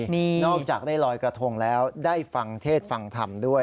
นี่นอกจากได้ลอยกระทงแล้วได้ฟังเทศฟังธรรมด้วย